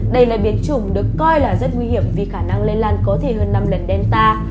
đây là biến chủng được coi là rất nguy hiểm vì khả năng lây lan có thể hơn năm lần đen ta